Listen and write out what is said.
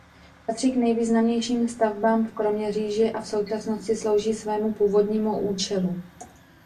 Patří k nejvýznamnějším stavbám v Kroměříži a v současnosti slouží svému původnímu účelu.